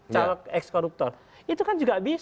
caleg ekskoruptor itu kan juga bisa